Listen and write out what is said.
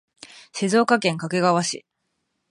静岡県掛川市